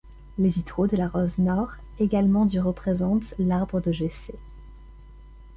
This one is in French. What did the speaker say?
Les vitraux de la rose nord, également du représentent l'Arbre de Jessé.